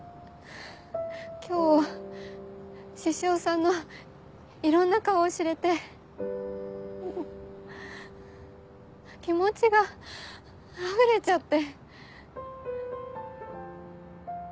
今日獅子王さんのいろんな顔を知れてもう気持ちがあふれちゃって。